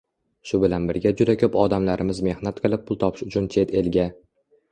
Shu bilan birga juda ko‘p odamlarimiz mehnat qilib pul topish uchun chet elga